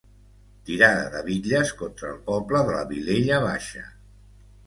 Tirada de bitlles contra el poble de la Vilella Baixa.